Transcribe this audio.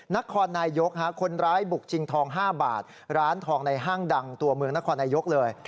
นครนายยกคนร้ายบุกชิงทอง๕บาทร้านทองในห้างดังตัวเมืองนครนายกเลย